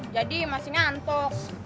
jadi masih ngantuk